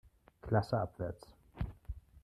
Klasse abwärts.